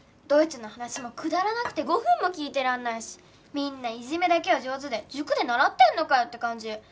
どいつの話もくだらなくて５分も聞いてらんないしみんないじめだけは上手で塾で習ってんのかよって感じ。